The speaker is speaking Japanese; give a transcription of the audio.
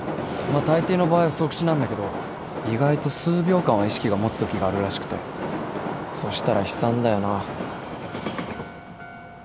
まあたいていの場合即死なんだけど意外と数秒間は意識が持つときがあるらしくてそしたら悲惨だよな。